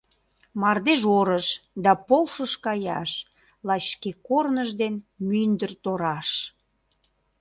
Мардеж орыш да полшыш каяш лач шке корныж ден мӱндыр тораш.